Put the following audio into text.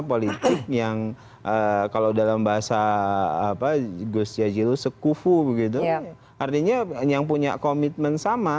politik yang kalau dalam bahasa apa gus jajilu sekufu begitu artinya yang punya komitmen sama